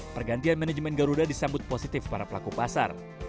pergantian manajemen garuda disambut positif para pelaku pasar